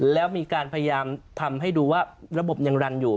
แล้วมีการพยายามทำให้ดูว่าระบบยังรันอยู่